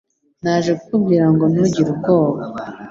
Naje kukubwira ngo ntugire ubwoba